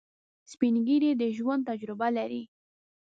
سپین ږیری د ژوند تجربه لري